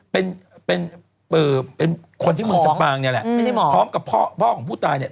เป็นคนที่เมืองสปางนี่แหละพร้อมกับพ่อของผู้ตายเนี่ย